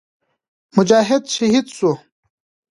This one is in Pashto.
مجاهد شهید شو.